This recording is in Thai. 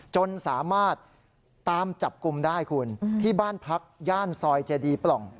จนสามารถตามจับกลุ่มได้คุณที่บ้านพักย่านซอยเจดีปล่อง